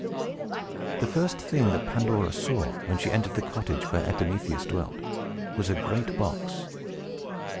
The first thing that Pandora saw, when she entered the cottage where Epimetheus dwelt, was a great box.